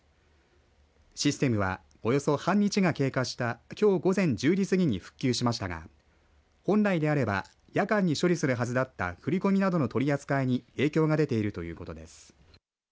システムはおよそ半日が経過したきょう午前１０時過ぎに復旧しましたが本来であれば夜間に処理するはずだった振り込みなどの取り扱いに影響が出ているということです。